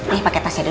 nih pakai tasnya dulu